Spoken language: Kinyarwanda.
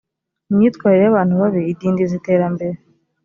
imyitwarire y’abantu babi idindiza iterambere